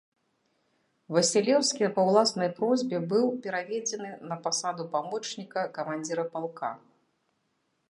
Васілеўскі па ўласнай просьбе быў пераведзены на пасаду памочніка камандзіра палка.